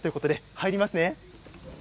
入ります。